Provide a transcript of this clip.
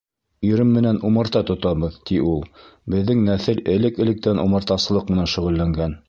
— Ирем менән умарта тотабыҙ, — ти ул. Беҙҙең нәҫел элек-электән умартасылыҡ менән шөғөлләнгән.